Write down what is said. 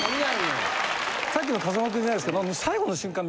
さっきの風間くんじゃないですけど。